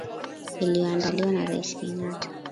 iliyoandaliwa na Raisi Kenyatta